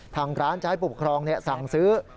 ทางร้านจะให้ผู้ปกครองสั่งซื้อ